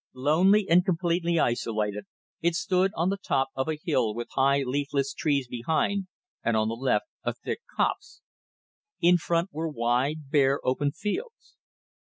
Lonely and completely isolated, it stood on the top of a hill with high, leafless trees behind, and on the left a thick copse. In front were wide, bare, open fields.